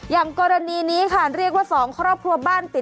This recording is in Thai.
แล้วมึงต่อลูกมึงทำไม